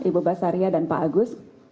ibu basaria dan pak agus